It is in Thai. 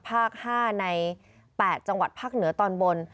ภาค๕ใน๘จังหวัดภาคเหนือตอนบน